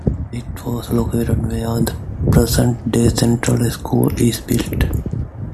It was located where the present day Central School is built.